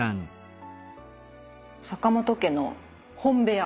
坂本家の本部屋？